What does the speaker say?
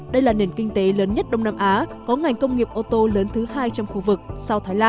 đây là nền kinh tế lớn nhất đông nam á có ngành công nghiệp ô tô lớn thứ hai trong khu vực sau thái lan